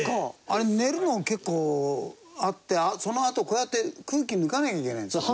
あれ練るの結構あってそのあとこうやって空気抜かなきゃいけないんですよね。